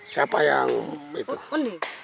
siapa yang itu